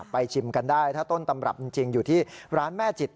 ชิมกันได้ถ้าต้นตำรับจริงอยู่ที่ร้านแม่จิต